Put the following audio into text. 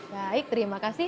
baik terima kasih